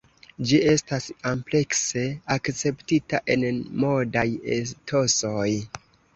Ĝi estas amplekse akceptita en modaj etosoj.